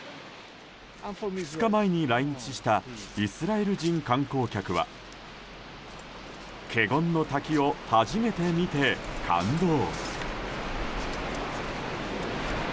２日前に来日したイスラエル人観光客は華厳の滝を初めて見て、感動。